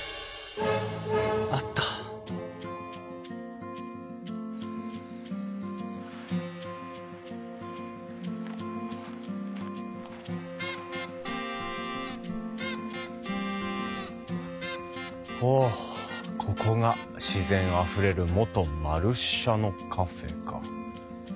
あったおここが「自然あふれる元●舎のカフェ」か。